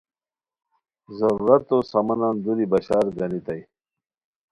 ضرورتو سامانن دُوری بشار گانیتائے